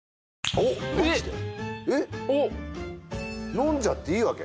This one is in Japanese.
飲んじゃっていいわけ？